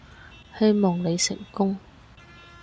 希望你成功